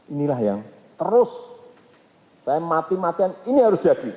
inilah yang terus saya mati matian ini harus jadi